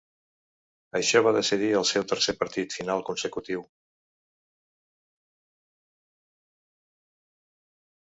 Això va decidir el seu tercer partit final consecutiu.